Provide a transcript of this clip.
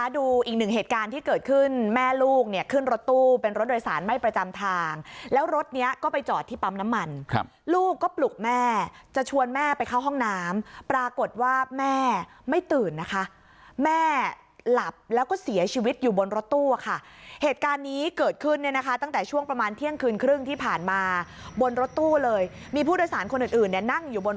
ดูอีกหนึ่งเหตุการณ์ที่เกิดขึ้นแม่ลูกเนี่ยขึ้นรถตู้เป็นรถโดยสารไม่ประจำทางแล้วรถเนี้ยก็ไปจอดที่ปั๊มน้ำมันครับลูกก็ปลุกแม่จะชวนแม่ไปเข้าห้องน้ำปรากฏว่าแม่ไม่ตื่นนะคะแม่หลับแล้วก็เสียชีวิตอยู่บนรถตู้ค่ะเหตุการณ์นี้เกิดขึ้นเนี่ยนะคะตั้งแต่ช่วงประมาณเที่ยงคืนครึ่งที่ผ่านมาบนรถตู้เลยมีผู้โดยสารคนอื่นอื่นเนี่ยนั่งอยู่บน